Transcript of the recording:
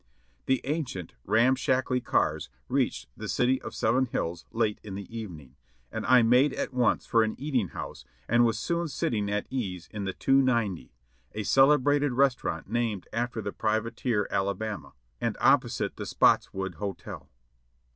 The ancient, ramshackly cars reached the "City of Seven Hills" late in the evening, and I made at once for an eating house and soon was sitting at ease in the "290," a celebrated restaurant named after the privateer Alabama, and opposite the Spotts wood Hotel.